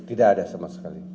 tidak ada sama sekali